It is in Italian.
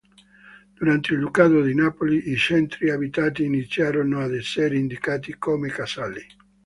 Durante il ducato di Napoli, i centri abitati iniziarono ad essere indicati come casali.